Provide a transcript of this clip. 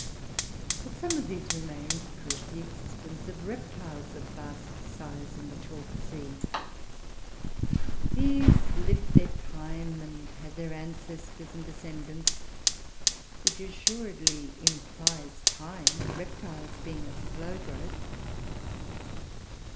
But some of these remains prove the existence of reptiles of vast size in the chalk sea. These lived their time, and had their ancestors and descendants, which assuredly implies time, reptiles being of slow growth.